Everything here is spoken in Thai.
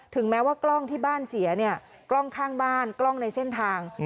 แม้ว่ากล้องที่บ้านเสียเนี่ยกล้องข้างบ้านกล้องในเส้นทาง